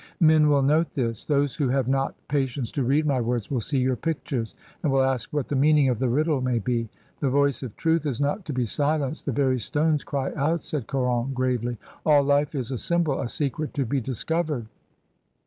"Men will note this. Those who have not pa tience to read my words will see your pictures, and will ask what the meaning of the riddle may be. The voice of Truth is not to be silenced, the very stones cry out," said Caron, gravely. "All life is a s)nnbol, a secret to be discovered."